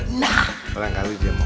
sekarang kali dia mau